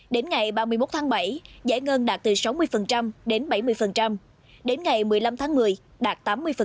đến ngày ba mươi một tháng bảy giải ngân đạt từ sáu mươi đến bảy mươi đến ngày một mươi năm tháng một mươi đạt tám mươi